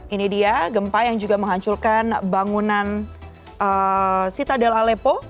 ini dia gempa yang juga menghancurkan bangunan sita del alepo